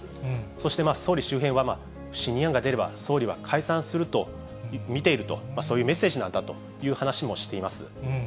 そして、総理周辺は、不信任案が出れば、総理は解散すると見ていると、そういうメッセージなんだという話もしています。